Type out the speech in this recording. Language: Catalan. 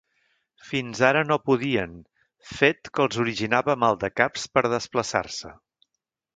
Fins ara no podien, fet que els originava maldecaps per a desplaçar-se.